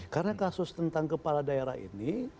karena kasus tentang kepala daerah ini